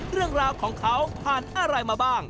เรื่องราวของเขาผ่านอะไรมาบ้าง